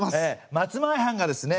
松前藩がですね